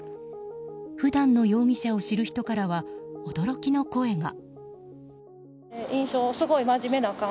普段の容疑者を知る人からは驚きの声が。